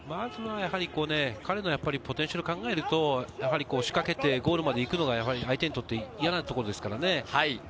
彼のポテンシャルを考えると、仕掛けてゴールまで行くのが相手にとって嫌なところですからね。